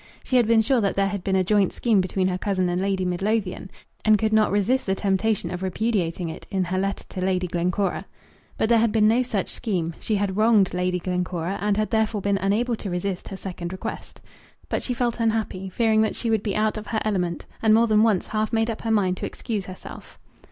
She had been sure that there had been a joint scheme between her cousin and Lady Midlothian, and could not resist the temptation of repudiating it in her letter to Lady Glencora. But there had been no such scheme; she had wronged Lady Glencora, and had therefore been unable to resist her second request. But she felt unhappy, fearing that she would be out of her element, and more than once half made up her mind to excuse herself.